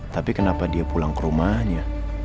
tapi kenapa dia pulang ke rumahnya